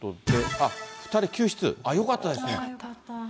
あっ、２人救出、よかったですね。